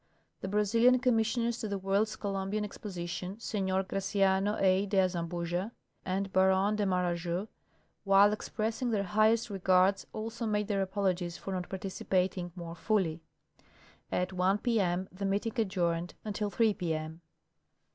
The Brazilian commissioners to the World's Columbian Ex position, Seiior Graciano A. cle Azambuja and Baron de Marajo, while expressing their highest regards, also made their apologies for not particij)ating more f^ll5^ At 1 p m the meeting adjourned until 3 p m.